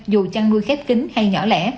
dù chăn nuôi khép kính hay nhỏ lẻ